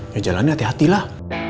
ya jalannya hati hatilah